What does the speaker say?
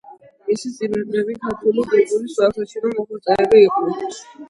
მისი წინაპრები ქართული კულტურის თვალსაჩინო მოღვაწეები იყვნენ.